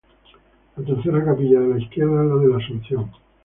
La tercera capilla de la izquierda es la de la Asunción.